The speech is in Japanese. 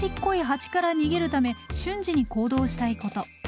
ハチから逃げるため瞬時に行動したいこと。